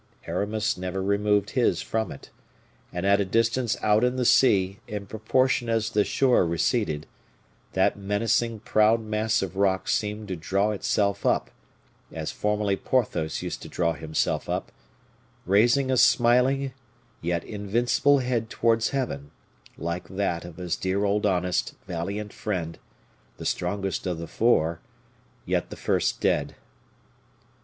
Aramis never removed his from it; and, at a distance out in the sea, in proportion as the shore receded, that menacing proud mass of rock seemed to draw itself up, as formerly Porthos used to draw himself up, raising a smiling, yet invincible head towards heaven, like that of his dear old honest valiant friend, the strongest of the four, yet the first dead.